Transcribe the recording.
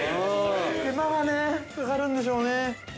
手間がねぇ、かかるんでしょうね。